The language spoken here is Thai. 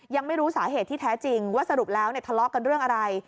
ยังไม่รู้สาเหตุที่แท้จริงว่าสรุปแล้วทะเลาะกันเรื่องอะไร